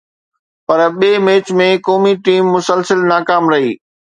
پر ٻئي ميچ ۾ قومي ٽيم مسلسل ناڪام رهي.